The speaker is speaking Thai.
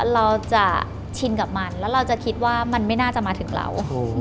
เราจะชินกับมันแล้วเราจะคิดว่ามันไม่น่าจะมาถึงเรา